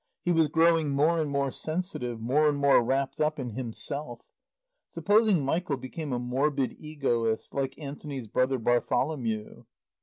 He was growing more and more sensitive, more and more wrapped up in Himself. Supposing Michael became a morbid egoist, like Anthony's brother, Bartholomew?